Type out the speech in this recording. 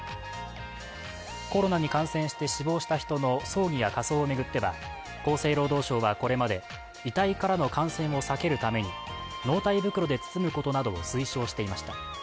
コロナに感染して死亡した人の葬儀や火葬を巡っては厚労省はこれまで、遺体からの感染を避けるために納体袋で包むことなどを推奨していました。